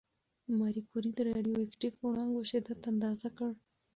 ماري کوري د راډیواکټیف وړانګو شدت اندازه کړ.